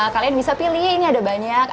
kalian bisa pilih ini ada banyak